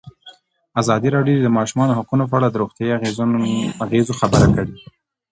ازادي راډیو د د ماشومانو حقونه په اړه د روغتیایي اغېزو خبره کړې.